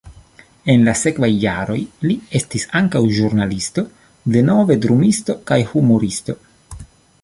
En la sekvaj jaroj li estis ankaŭ ĵurnalisto, denove drumisto kaj humuristo.